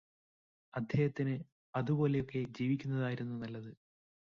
അദ്ദേഹത്തിന് അതുപോലെയൊക്കെ ജീവിക്കുന്നതായിരുന്നു നല്ലത്